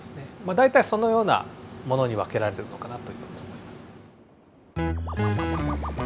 大体そのようなものに分けられるのかなというふうに思います。